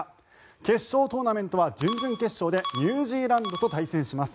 決勝トーナメントは準々決勝でニュージーランドと対戦します。